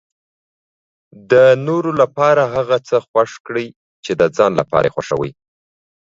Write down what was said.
د نورو لپاره هغه څه خوښ کړئ چې د ځان لپاره یې خوښوي.